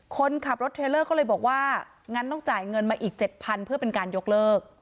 คนขับรถเทรลเลอร์ก็เลยบอกว่างั้นต้องจ่ายเงินมาอีก๗๐๐เพื่อเป็นการยกเลิก